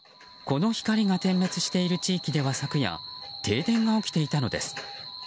この光が点滅している地域では昨夜停電が起きていたのです。